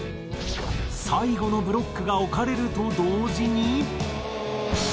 最後のブロックが置かれると同時に。